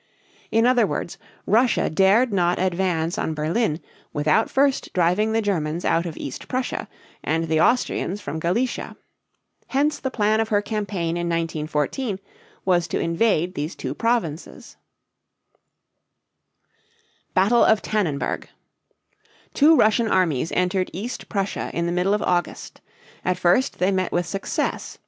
In other words, Russia dared not advance on Berlin without first driving the Germans out of East Prussia and the Austrians from Galicia. Hence the plan of her campaign in 1914 was to invade these two provinces. [Illustration: EASTERN FRONT Dec. 31, 1914] BATTLE OF TANNENBERG. Two Russian armies entered East Prussia in the middle of August. At first they met with success.